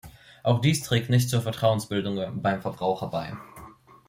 Auch dies trägt nicht zur Vertrauensbildung beim Verbraucher bei.